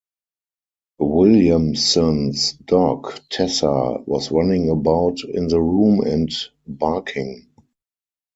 Williamson's dog, Tessa, was running about in the room and barking.